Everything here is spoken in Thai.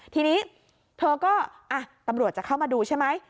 ทีนี้เธอก็ตำรวจจะเข้ามาดูใช่ไหม